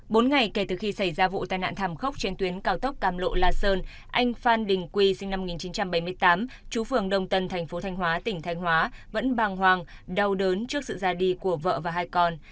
bốn ngày kể từ khi xảy ra vụ tai nạn thảm khốc trên tuyến cao tốc cam lộ la sơn anh phan đình quy sinh năm một nghìn chín trăm bảy mươi tám chú phường đồng tân thành phố thanh hóa tỉnh thanh hóa vẫn bàng hoàng đau đớn trước sự ra đi của vợ và hai con